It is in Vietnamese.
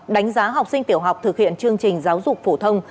đánh giá học sinh tiểu học thực hiện chương trình giáo dục phổ thông